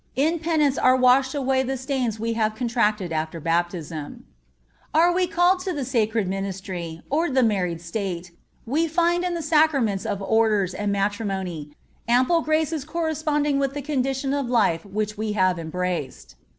In Penance are washed away the stains we have contracted after Baptism. Are we called to the Sacred Ministry, or to the married state, we find in the Sacraments of Orders and Matrimony ample graces corresponding with the condition of life which we have embraced.